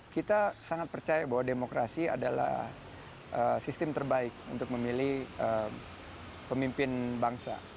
kita sangat percaya bahwa demokrasi adalah sistem terbaik untuk memilih pemimpin bangsa